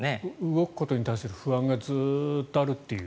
動くことに対する不安がずっとあるという。